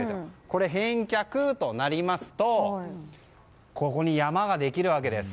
これを返却となりますとここに山ができるわけです。